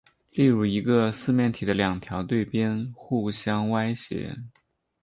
例如一个四面体的两条对边互相歪斜。